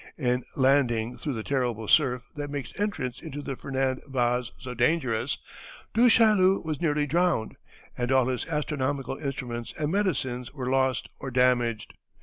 In landing through the terrible surf that makes entrance into the Fernand Vaz so dangerous, Du Chaillu was nearly drowned and all his astronomical instruments and medicines were lost or damaged.